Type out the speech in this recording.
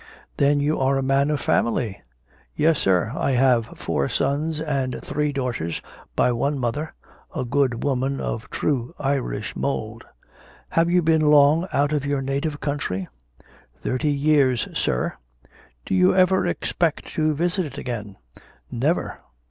"Then you are a man of family?" "Yes, Sir; I have four sons and three daughters by one mother, a good woman of true Irish mould." "Have you been long out of your native country?" "Thirty years, Sir." "Do you ever expect to visit it again?" "Never."